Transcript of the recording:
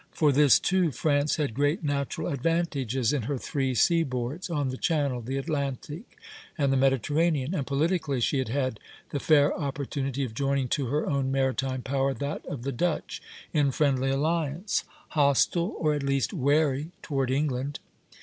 For this, too, France had great natural advantages in her three seaboards, on the Channel, the Atlantic, and the Mediterranean; and politically she had had the fair opportunity of joining to her own maritime power that of the Dutch in friendly alliance, hostile or at least wary toward England.